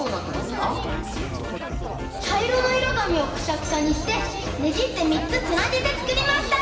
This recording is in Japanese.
ちゃいろのいろがみをクシャクシャにしてねじってみっつつなげてつくりました！